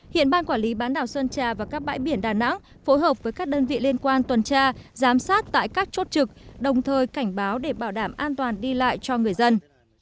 hiện ban quản lý bán đảo sơn trà và các bãi biển đà nẵng phối hợp với các đơn vị liên quan tuần tra giám sát tại các chốt trực đồng thời cảnh báo để bảo đảm an toàn đi lại cho người dân